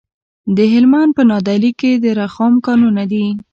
د هلمند په نادعلي کې د رخام کانونه دي.